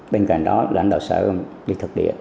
bên cạnh đó là ảnh đạo sở đi thực địa